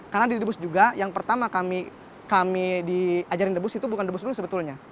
karena didebus juga yang pertama kami diajarin debus itu bukan debus dulu sebetulnya